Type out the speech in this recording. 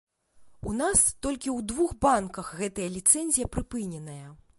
У нас толькі ў двух банках гэтая ліцэнзія прыпыненая.